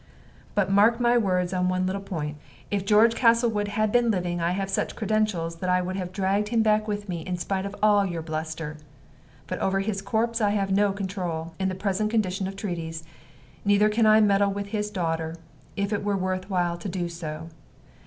But mark my words upon one little point. If George Castlewood had been living, I have such credentials that I would have dragged him back with me in spite of all your bluster. But over his corpse I have no control, in the present condition of treaties. Neither can I meddle with his daughter, if it were worth while to do so.